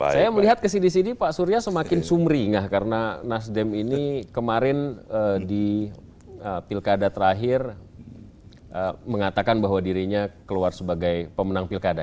saya melihat ke sini sini pak surya semakin sumringah karena nasdem ini kemarin di pilkada terakhir mengatakan bahwa dirinya keluar sebagai pemenang pilkada